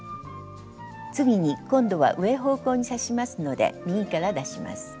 次に今度は上方向に刺しますので右から出します。